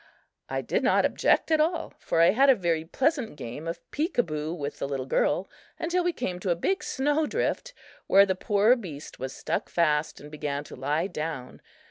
I did not object at all, for I had a very pleasant game of peek aboo with the little girl, until we came to a big snow drift, where the poor beast was stuck fast and began to lie down.